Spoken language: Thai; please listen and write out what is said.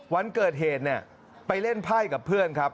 วันเกิดเหตุเนี่ยไปเล่นไพ่กับเพื่อนครับ